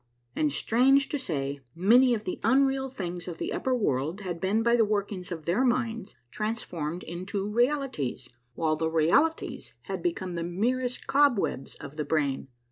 And, strange to sa}', many of the unreal things of the upper world had been by the workings of their minds transformed into realities, while the realities had become the merest cobwebs of the brain.